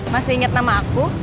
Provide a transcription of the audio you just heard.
masih inget nama aku